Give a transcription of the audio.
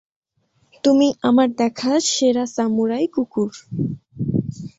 তুমি আমার দেখা সেরা সামুরাই কুকুর।